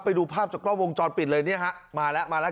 ไปดูภาพจากกล้องวงจรปิดเลยเนี่ยฮะมาแล้วมาแล้ว